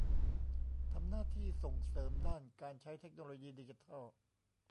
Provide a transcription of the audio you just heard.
ทำหน้าที่ส่งเสริมด้านการใช้เทคโนโลยีดิจิทัล